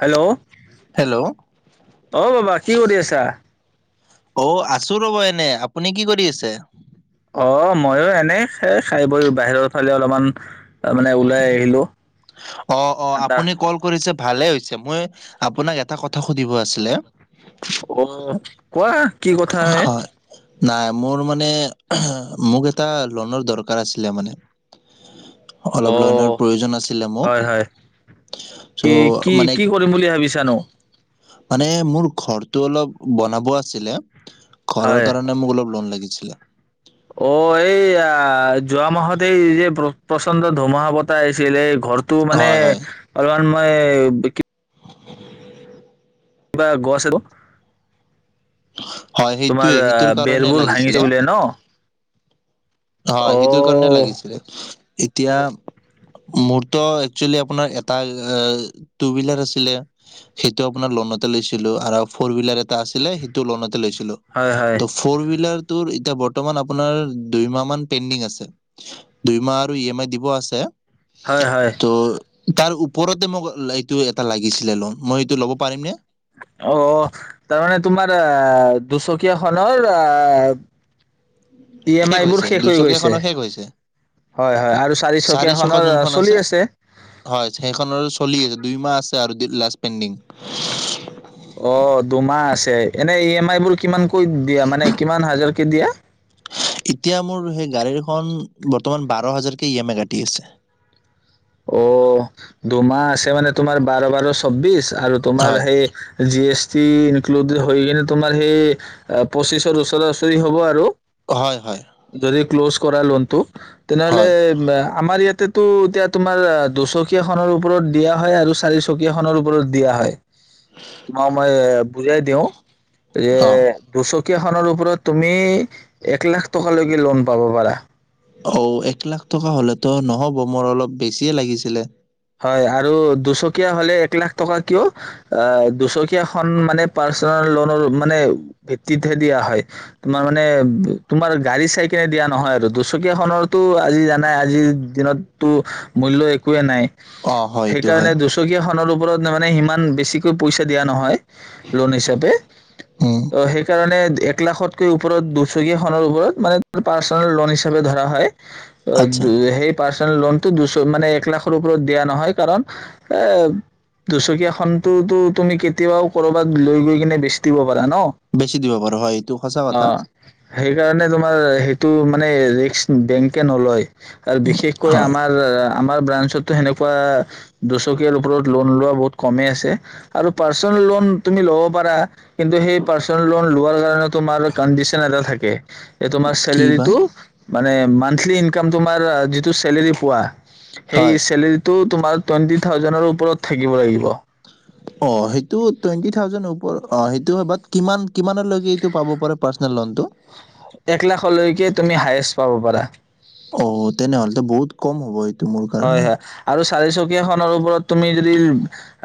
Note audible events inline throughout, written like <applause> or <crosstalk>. Hello, hello অ' বাবা কি কৰি আছা? অ, আছো ৰ'ব এনে আপুনি কি কৰি আছে। অ মইও এনে খে খাই বই বাহিৰৰ ফালে অলপমান তাৰ মানে ওলাই আহিলো। অ অ ঠাণ্ডা আপুনি কল ছ, ভালে হৈছে মই, আপোনাক এটা কথা সুধিব আছিলে। অ, কোৱা কি কথাহে। হয় নাই মোৰ মানে, মোক এটা লোনৰ দৰকাৰ আছিলে মানে। অলপ অ লোনৰ প্ৰয়োজন আছে। হয়, হয়, কি কি মানে কি কৰিম বুলি ভাবিছানো। মানে মোৰ ঘৰটো অলপ বনাব আছিলে। ঘৰৰ হয় কাৰণে মোক অলপ লোন লাগি ছিলা। অ, এইয়া। অ, যোৱা মাহত এই যে <unintelligible> প্ৰচণ্ড ধুমুহা বতাহ আহিছিল এই ঘৰটো মানে হয় হয় অলপমান মই বিকি <inaudible> কিবা <unintelligible> হয় সেইটোয়ে তোমাৰ আ সেইটোৰ কাৰণে বেৰবোৰ লাগিছিলে ভাঙিছে বুলিয়ে ন হয়, অ সেইটো কাৰণে লাগিছিলে। এতিয়া মোৰতো একচুৱেলি আপোনাৰ এটা এ টু হুইলাৰ আছিলে, সেইটো আপোনাৰ লনতে লৈছিলো আৰু ফৰ হুইলাৰ এত আছিলে সেইটো লনতে লৈছিলোঁ হয় হয় ত ফৰ হুইলাৰ টোৰ বৰ্তমান আপোনাৰ দুই মাহ মান পেণ্ডিং আছে। দুইমাহ আৰু ই এম আই দিব আছে হয় হয়। ত' তাৰ ওপৰতে মোক লাই ইটো এটা লাগিছিলে লোন, মই এইটো ল'ব, পাৰিমনেে। অঃ তাৰমানে তোমাৰ আহ দুচকীয়াখনৰ আহ ই এম আই বোৰ হৈছে শেষ হৈ গৈছে। দুইচকীয়াখনৰ শেষ হৈছে হয় হয় আৰু চাৰি চকা চাৰিচকীয়াখনৰ যোনখন চলি আছে। হয় সেইখনৰ চলি আছে দুই মাহ আছে আৰু লাষ্ট পেণ্ডিং। অ দুমাহ আছে। এনে ই এম আই বোৰ কিমানকৈ দিয়া মানে কিমান হাজাৰকে দিয়া। এতিয়া মোৰ সেই গাড়ীখন বৰ্তমান বাৰ হাজাৰকে ই এম আই কাটি আছে। অ, দুমাহ আছে মানে তোমাৰ বাৰ, বাৰ চৌব্বিছ আৰু তোমাৰ হয় সেই জি এছ টি ইনক্লুডেড হৈ কিনে তোমাৰ সেই অ পঁচিছৰ ওচৰা, ওচৰি হ'ব আৰু। হয়, হয়। যদি ক্ল'জ কৰা লোনটো তেনেহ'লে হয় আমাৰ ইয়াত তাতেটো এতিয়া তোমাৰ দুচকীয়া খনৰ ওপৰত দিয়া হয় আৰু চাৰিচকীয়া খনৰ ওপৰত দিয়া হয়। তোমাক মই বুজাই দিওঁ, যে অ দুচক কীয়া খনৰ ওপৰত তুমি এক লাখ টকালৈকে ল'ন পাব পাৰা। অও, এক লাখ টকা হ'লেতো নহ'ব মোৰ অলপ বেছিয়ে লাগিছিলে। হয় আৰু দুচকীয়া হ'লে এক লাখ টকা কিয়, দুচকীয়া খন মানে পাৰ্চনেল ল'নৰ মানে ভিত্তিতহে দিয়া হয়, তোমাৰ মানে তোমাৰ গাড়ী চাই কিনে দিয়া নহয় আৰু দুচকীয়া খনৰতো আজি জানাই আজিৰ দিনতটো মূল্য একোৱেই নাই। অ হয় এইটো সেইকাৰণে হয় দুচকীয়া খনৰ ওপৰত মানে ইমান বেছিকৈ পইচা দিয়া নহয়। ল'ন হিচাপে, উম অ', সেইকাৰণে এক এক লাখতকৈও ওপৰত দুচকীয়াখনৰ ওপৰত, মানে পাৰ্চনেল ল'ন হিচাপে ধৰা হয়। অ, আচ্ছা দু, সেই পাচ ল'নটো দুচ, মানে এক লাখৰ ওপৰত দিয়া নহয়, কাৰণ এ দুচকীয়া খনতোতো তুমি কেতিয়াও কৰ'বাত লৈ গৈ কেনে বেচি দিব পাৰা। ন বেছি দিব পাৰো হয়, এইটো সঁচা কথা। অ', সেইকাৰণে তোমাৰ সেইটো মানে ৰিস্ক বেংকে নলয়। আৰু বিশেষকৈ হয় আমাৰ আমাৰ ব্ৰাঞ্চত সেনেকুৱা দুচকীয়াৰ ওপৰত ল'ন লোৱা বহুত কমেই আছে আৰু পাৰ্চনেল ল'ন তুমি ল'ব পাৰা, কিন্তু সেই পাৰ্চনেল ল'ন লোৱাৰ কাৰণে তোমাৰ কাণ্ডিচন এটা থাকে। এই তোমাৰ কি বা চেলেৰীটো মানে মান্থলি ইনকাম তোমাৰ, যিটো চেলেৰী পোৱা সেই হয় চে টো তোমাৰ টুৱেণ্টি থাউজেণ্ডৰ ওপৰত থাকিব লাগিব। অ', সেইটো টুৱেণ্টি থাউজেণ্ড ওপ, অ, সেইটো হয়, বাত কিমান? কিমানলৈকে এইটো পাব পাৰো এইটো পাৰ্চনেল ল'নটো? এক লাখলৈকে <unintelligible> পাব পাৰা। অ', তেনেহ'লেতো বহুত কম হ'ব এই হয়, হয়, আৰু চা চাৰিচকীয়া খনৰ ওপৰত তুমি যদি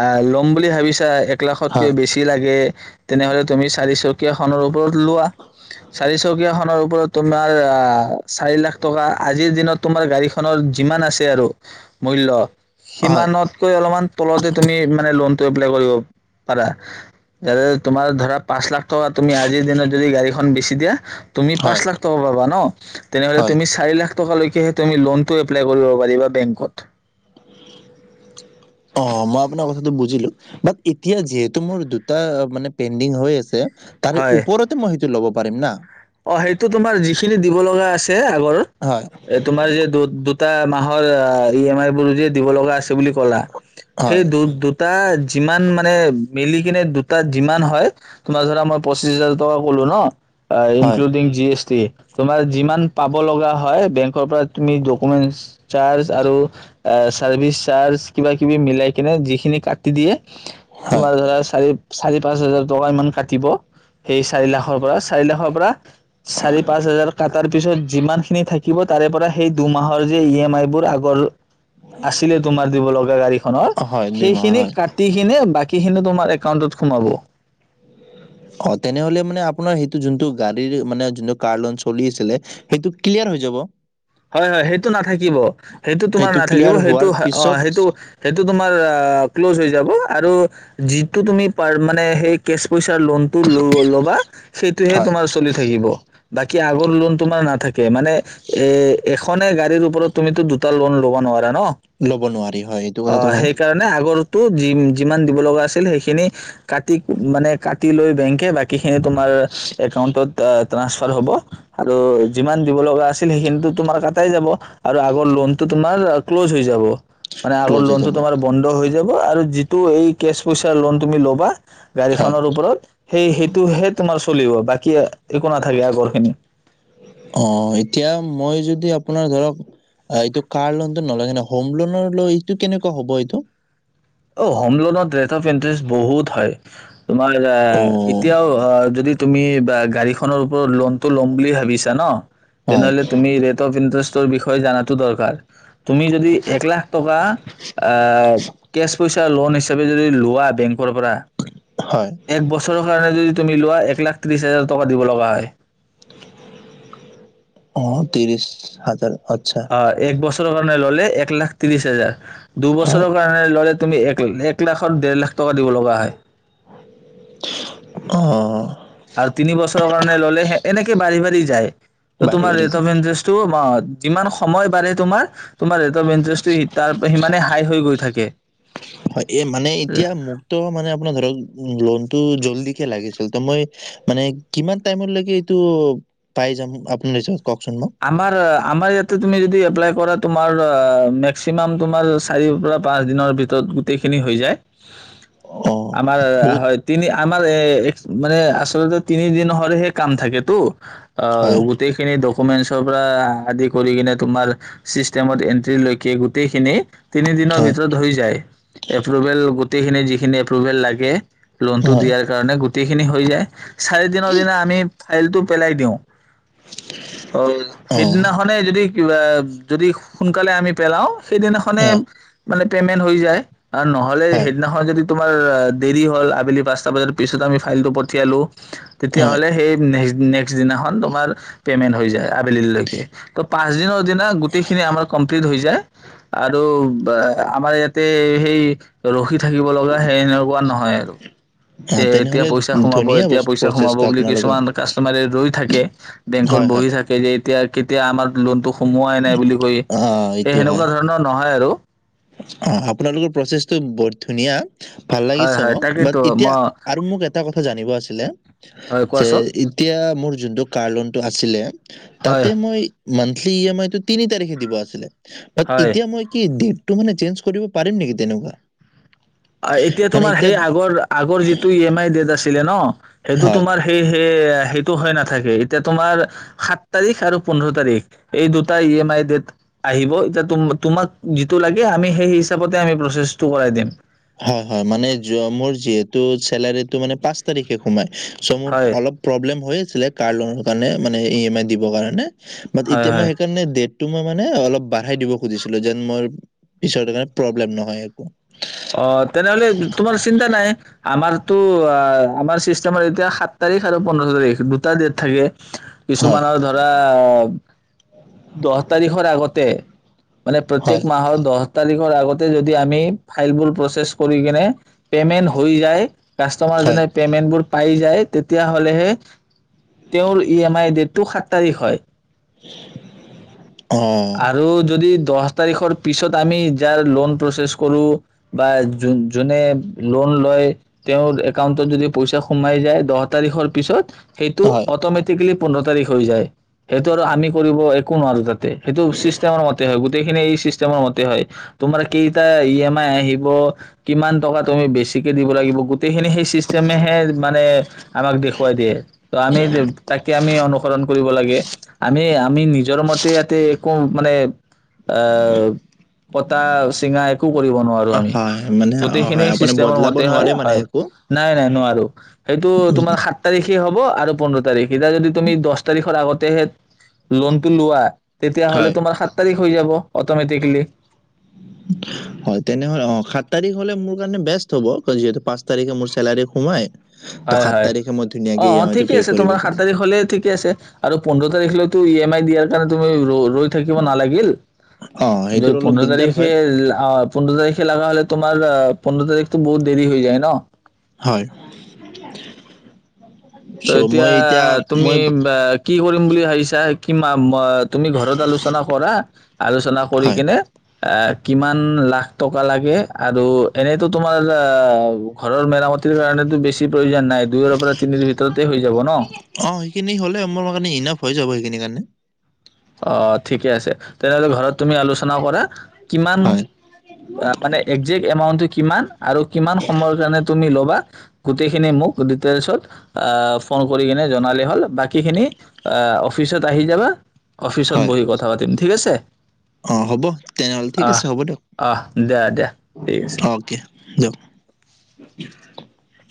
আ, ল'ম বুলি ভাবিছা, এক এক লাখতকৈ হয় বেছি লাগে তেনেহ'লে তুমি চাৰিচকীয়া খনৰ ওপৰত লোৱা, চাৰিচকীয়াখনৰ ওপৰত তোমাৰ আ, চাৰি লাখ টকা আজিৰ দিনত তোমাৰ গাড়ীখনৰ যিমান আছে <unintelligible> আৰু মূল্য হয় সিমানতকৈ অলমান তলতে তুমি মানে ল'ন টো এপ্লাই কৰিব পাৰা, এ তোমাৰ ধৰা পাঁচ লাখ টকা তুমি আজিৰ দিনত যদি গাড়ীখন বেছি দিয়া তুমি পাঁচ হয় লাখ টকা পাবা ন? তেনেহলে হয় তুমি চাৰি লাখ- থকা লৈকে তুমি লোন টো এপ্লাই কৰিব পাৰিবা বেংকত <inaudible> অ মই আপোনাৰ কথাটো বুজিলো, বাট এতিয়া যিহেতু মোৰ দুটা মানে পেণ্ডিং হৈ আছে তাৰে হয়। ওপৰতে মই সেইটো ল'ব পাৰিম না? অ সেইটো তোমাৰ যিখিনি দিব লগা আছে আগৰ, হয় এ তোমাৰ যে এটা মাহৰ ই এম আই বোৰ যে দিব লগা আছিল বুলি কলা, হয় সেই দু- দুটাৰ যিমান মানে, মিলি কেনে দুটা যিমান হয় তোমাৰ ধৰা মই পঁচিশ হাজাৰ টকা কলো ন। <unintelligible> হয় টুদিং জি এছ টি তোমাৰ যিমান পাব লগা- হয় বেংকৰ পৰা তুমি ডকুমেট চাৰ্জ আৰু চাৰ্ভিছ চাৰ্জ কিবা কিবি মিলাই কিনে যিখিনি কাট দিয়ে হয় তোমাৰ ধৰা চাৰিত-চাৰিত পাঁচ হাজাৰ টকা ইমান কাটিব। সেই চাৰি লাখৰ পৰা চাৰি লাখৰ পৰা চাৰি পাঁচ হাজাৰ কাত তাৰ পিছত যিমানখিনি থাকিব, তাৰে পৰা সেই দুমাহৰ যে ই এম আই বোৰ আগৰ আছিলে তোমাৰ দিব লগা গাড়ী খনৰ, অ হয়, মাহৰ সেইখিনি হয়। কাটি কিনে বাক- সিখিনো তোমাৰ একাউণ্টত সোমাব অ তেনেহলে মানে আপোনাৰ সেইটো যোনটো গাড়ীৰ মানে যোনটো কাৰ লোন চলি আছিলে সেইটো ক্লিয়াৰ হৈ যাব। হয়-হয় সেইটো নাথাকিব, সেইটো তোমাৰ নাথাকিব ক্লিয়াৰ সেইটো হোৱাৰ অ পিছত সেইটো-সেইটো তোমাৰ ক্ল'জ হৈ যাব আৰু যিটো তুমি পা-মানে হেই কেছ পইচা লোনটো ল'বা সেইটোহে হয়, তোমাৰ চলি থাকিব বাকী আগৰ লোন তোমাৰ নাথাক কে মানে এ -এই এখনে গাড়ীৰ ওপৰত তুমিতো দুটা লোন ল'ব নোৱাৰা ন - ল'ব নোৱাৰি হয় এইটো অ কথাটো হয়। সেইকাৰণে আগৰ টো যি- যিমান দিব লগা আছিল সেইখিনি কাটিক মানে কাট- লৈ বেংকে বাকী এনে তোমাৰ একাউণ্টত ট্ৰাসফাৰ হ'ব আৰু যিমান দিব লগা আছিল সেইখিনিটো তোমাৰ কাটাই যাব। আৰু আগৰ লোনটো তোমাৰ ক্ল'জ হৈ যাব। মানে আগৰ ক্ল'জ হৈ লোনটো যাব। তোমাৰ বন্ধ হৈ যাব আৰু যিটো এই কেছ পইচাৰ লোন তুমি ল'বা হয়, গাড়ীখনৰ ওপৰত। সেই সেইটোহে তোমাৰ চলিব, বাকী একো নাথাকে আগৰখিনি। অ এতিয়া মই যদি আপোনাৰ ধৰক, এইটো কাৰ লোনটো নলৈ কেনে, হোম লোনৰলৈ এইটো কেনেকুৱা হ'ব এইটো? অ', হোম লোনত ৰেট অফ ইন্টাৰেষ্ট বহুত হয়। তোমাৰ এ, অ এতিয়াও অ' যদি তুমি বা গাড়ীখনৰ ওপৰত লোনতটো ল'ম বুলি ভাবিছা ন? হয়, তেনেহ'লে তুমি ৰেট অফ ইন্টাৰেষ্ট টৰ বিষয়ে জানাতো দৰকাৰ। তুমি যদি এক লাখ টকা আ কেছ পইচা লোন হিচাপে যদি লোৱা বেংক কৰ পৰা, হয়। এক বছৰৰ কাৰণে যদি তুমি লোৱা এক লাখ ত্ৰিছ হাজাৰ টকা দিব লগা হয়। অ', তিৰিছ হাজাৰ। আচ্ছা অ', এক বছ ৰ কাৰণে ল'লে এক লাখ ত্ৰিশ হাজাৰ হয়, দুবছৰৰ কাৰণে ল'লে তুমি এক ল, এক লাখত দেৰ লাখ টকা দিব লগা হয়। অ', অ'। আৰু তিনি বছৰৰ কাৰণে ল'লে সে, এনেকে বাঢ়ি বাঢ়ি যায়। বাঢ়ি তোমাৰ বাঢ়ি ৰেট যায়। অফ ইন্টাৰেষ্টটো অ' যিমান সময় বাঢ়ে তোমাৰ তোমাৰ <unintelligible> সিমানে হাই হৈ গৈ থাকে। হয়, এ, মানে এতিয়া মুক্ত মানে আপোনাৰ ধৰক লোনটো জল্দিকে লাগিছিল তো মই মানে কিমান টাইমৰলৈকে এইটো পাই যাম আপুনি <unintelligible> আমাৰ, আমাৰ ইয়াতে তুমি যদি এপ্ললাই কৰা, তুম <unintelligible> মেক্সিমাম তোমাৰ চাৰিৰ পৰা পাঁচ দিনৰ ভিতৰত গোটেইখিনি হৈ যায়। অ' আমাৰ বহুত হয়, তিনি আমাৰ এ, মানে আচলতে তিনি দিন হ'লেহে কাম থাকেটো। অ', হয়, গোটেইখিনি ডক কমেণ্টছ পৰা আদি কৰি কিনে তোমাৰ, ছিষ্টেমত এণ্ট্ৰি লৈকে গোটেইখিনি তিনিদিনৰ হয়, ভিতৰত হৈ যায়। এপ্ৰোভেল গোটেইখিনি যি যিখিনি এপ্ৰোভেল লাগে লোণটো হয়, দিয়াৰ কাৰণে গ গোটেইখিনি হৈ যায়। চাৰি দিনৰ দিনা আমি ফাইলটো পেলাই দিওঁ। অ', সেইদিনাখনেই যদি কিবা, যদি সোনকালে আমি পেলাওঁ সেইদিনাখনে হয়, মানে পে'মেণ্ট হৈ যায়। আৰু নহ'লে হয়, সেইদিনাখন যদি তোমাৰ দেৰি হ'ল। আবেলি পাঁচটা বজাৰ পিছত আমি ফাইলটো পঠিয়ালোঁ। তেতিয়া হয়, হ'লে সেই নেক্সট্ নেক দিনাখন তোমাৰ পেমেণ্ট হৈ যায়। আবেলিলৈকে। ত পাঁচ দিনত দিনা গোটেইখিনি আমাৰ কমপ্লিট হৈ যায়। আৰু ব আমাৰ ইয়াতে সেই ৰোহিত থাকিব লগা সেই এনেকুৱা নহয় আৰু। যে, অ' এতিয়া তেনেহ'লে পইচা সোমাব, ধুনীয়া এতিয়া বচ পইচা সোমাব প্ৰচেছটো বুলি আপোনালোকৰ। কিছুমান কাষ্টমাৰে ৰৈ থাকে। বেংকৰ হয়, হয়, বহি থাকে যে এতিয়া কেতিয়া আমাক লোণটো সোমোৱাই নাই বুলি কৈ। অ' সেই এইটো সেনেকুৱা হয়, ধৰণৰ নহয় আৰু। অ', আপোনালোকৰ প্ৰচেছটো বৰ ধুনীয়া। ভাল হয় লাগিছে হয় মোক? বাট তাকেইতো এতিয়া মই আৰু মোক এটা কথ জানিব আছিলে হয় যে কোৱাচোন এতিয়া মোৰ যোনটো, কাৰ লোনটো আছিলে। হয় তাতে মই ইমান এই ই এম আই টো তিনি তাৰিখে দিব আছিলে। বাত হয় এতিয়া মই কি দিম? মানে চেঞ্জ কৰিব পাৰিম নেকি তেনেকুৱা? এতিয়া তোমাৰ হেই আগৰ, আগৰ যিটো ই এম আই ডেট আছিল। ছিলে ন সেইটো হয় তোমাৰ সেই, সেই সেইটো হয় নাথাকে এতিয়া তোমাৰ সাত তাৰিখ আৰু পোন্ধৰ তাৰিখ এই দুটাই ই এম আই ডেট আহিব এতিয়া তো‌ তোমাক জিতু লাগে আমি সে হিচাপত আমি প্ৰচেচ টো কৰাই দিম। হয়, হয় মানে য মোৰ যিহেতু চেলাৰীটো মানে পাঁচ তাৰিখে সোমাই। চ' মোৰ হয় অলপ প্ৰব্লেম হৈ আছিলে কাৰ লোনৰ কাৰণে মানে ই এম আই দিবৰ কাৰণে বাত হয় এতিয়া মই হয় সেইকাৰণে ড টো মই মানে, অলপ বাঢ়াই দিব খুজিছিলো যেন মৰ পিছত প্ৰব্লেম নহয় একো। অ' তেনেহ'লে তোমাৰ চিন্তা নাই, আমাৰ টো অ' আমাৰ চিষ্টেমৰ এতিয়া সাত তাৰিখ আৰু পোন্ধৰ তাৰিখ দুটা ডেট থাকে। হয় কিছুমানৰ ধৰা অ দহ তাৰিখৰ আগতে। মানে প্ৰত্যেক হয় মাহৰ দহ তাৰিখৰ আগতে যদি আমি ফাইল বোৰ প্ৰচেছ কৰি কিনে পে'মেণ্ট হৈ যায় হয় কাষ্টমাৰজনে পেমেণ্টবোৰ পাই যায় তেতিয়াহলেহে তেওঁৰ ই এম আই ডটটো সাত তাৰিখ হয়। <unintelligible> আৰু যদি দহ দহ তাৰিখৰ পিছত, আমি যাৰ লোন প্ৰচেছ কৰো বা যোনে লোন লয় তেওঁৰ একাউন্টত যদি পইচা সোমাই যায় দহ তাৰিখৰ পিছত সেইটো হয় অট'মেটিকেলি পোন্ধৰ তাৰিখ হৈ যায় সেইটো আৰু আমি কৰিব একো নোৱাৰো তাতে। সেইটো চিষ্টেমৰ মতে হয় গ গোটেইখিনি এই চিষ্টেমৰ মতে হয় তোমাৰ কেইটা ই এম আই আহিব কিমান টকা তুমি বেছি টিকে দিব লাগিব গোটেইখিনি সেই চিষ্টেমেহে মানেহে আমাক দেখুৱাই দিয়ে ত আমি তাকে আমি অনুসৰণ কৰিব লাগে আমি আমি নিজৰ মতে ইয়াতে ক মানে অ' কটা, চিঙা একো কৰিব নোৱাৰোঁ অ, আমি হয় মানে গোত্ৰ অ হয় আপুনি চিষ্টেমৰ বদলাব মতে হয় নোৱাৰে মানে হয় একো ন নাই নোৱাৰো সেইটো তোমাৰ সাত তাৰিখে হ'ব আৰু পোন্ধৰ তাৰিখ সেইটা যদি তুমি দহ তাৰিখৰ আগত তেহেত লোনটো লোৱা। তেতিয়াহ'লে হয় তোমাৰ সাত তাৰিখ হৈ যাব। অট'মেটিকেলি হ'য়। তেনেহলে অ' সাত তাৰিখ হ'লে মোৰ কাণে বেষ্ট হ'ব, ‌ কাণ যিহেতু পাঁচ তাৰিখে মোৰ চেলাৰি সোমাই। ত' হয়, সাত হয়। তাৰিখে মই ধুনীয়াকে অ', ই অ' এম আইটো ঠিকে পে' আছে কৰিব তোমাৰ সাত পাৰিম তাৰিখলে ঠিকে আছে আৰু পোন্ধৰ তাৰিখলৈ টো ই এম আই দিয়াৰ কাৰণ তুমি ৰ ৰৈ থাকিব নালাগিল। অ সেইটোত যদি অলপ পোন্ধৰ দিগদাৰ হয় তাৰিখে আ পোন্ধৰ তাৰিখে লাগা হ'লে তোমাৰ পোন্ধ তাৰিখটো বহুত দেৰি হৈ যায় নো? হয় অ চ' এতিয়া মই তুমি মই বাক কি কৰিম বুলি ভাবিছা কিমাম অ' তুমি ঘৰত আলোচনা কৰা আলোচনা কৰি হয় কেনে আ কিমান লাখ টকা লাগে আৰু এনেতো তোমাৰ ঘৰৰ মেৰামতিৰ কাৰণেতো বেছি প্ৰয়োজন নাই দুইৰ পৰা তিনিৰ ভি অ' সেইখিনি হ'লে মোৰ মানে ইনাব হৈ যাব হেখিনি কাণে অ' ঠিকে আছে তেনেহ'লে ঘৰত তুমি আলোচনা কৰা। কিমান, হয় আ মানে একজেক্ট এমাউন্ট কিমান? আৰু কিমান সময় কাৰণে তুমি লব বাত গোটেইখিনি মোক ডিটেইলচত, আআ ফোন কৰি কেনে জনালে হ'ল বাক কি খিনি আ অফিচত আহি যাবা। অফিচত হয় বহি কথা পাতিম ঠিক আছে। অ হ'ব তেনেহ'লে ঠিক অহ আছে হ'ব দিয়ক, অহ দিয়া দিয়া ঠিক আছে অ'কে দিয়ক। <inaudible>